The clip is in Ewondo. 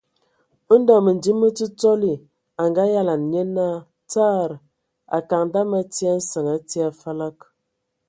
Ndɔ Məndim me Ntsotsɔli a ngayalan nye naa : Tsaarr...ra : Akaŋ dama a tii a nsəŋ, a tii a falag !